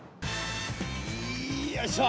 いよいしょ！